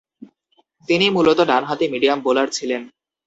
তিনি মূলতঃ ডানহাতি মিডিয়াম বোলার ছিলেন।